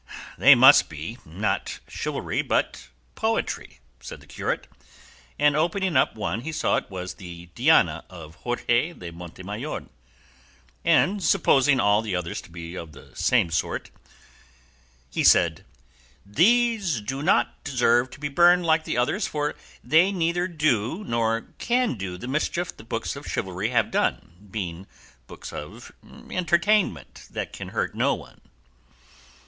"These must be, not chivalry, but poetry," said the curate; and opening one he saw it was the "Diana" of Jorge de Montemayor, and, supposing all the others to be of the same sort, "these," he said, "do not deserve to be burned like the others, for they neither do nor can do the mischief the books of chivalry have done, being books of entertainment that can hurt no one."